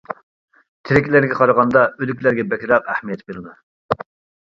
تىرىكلەرگە قارىغاندا ئۆلۈكلەرگە بەكرەك ئەھمىيەت بېرىدۇ.